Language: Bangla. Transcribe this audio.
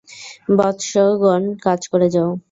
বত্সগণ, কাজ করে যাও।